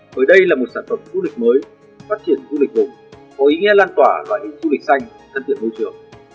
bởi đây là một sản phẩm du lịch mới phát triển du lịch vùng có ý nghĩa lan tỏa loại hình du lịch xanh thân thiện môi trường